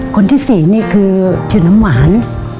คนที่๔นี่คือชื่อน้ำหวาน